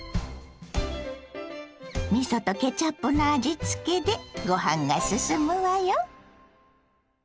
みそとケチャップの味付けでご飯がすすむわよ。